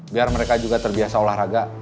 biar mereka juga terbiasa olahraga